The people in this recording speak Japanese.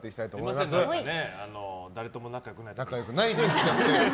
すみません、誰とも仲良くないなんて言っちゃって。